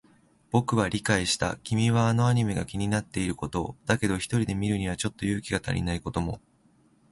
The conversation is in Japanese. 僕は理解した。君はあのアニメが気になっていることを。だけど、一人で見るにはちょっと勇気が足りないことも。